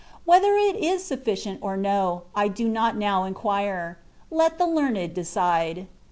Whether it is sufficient or no, I do not now inquire : let the learned decide.